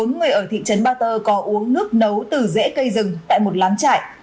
bốn người ở thị trấn ba tơ có uống nước nấu từ rẽ cây rừng tại một láng trại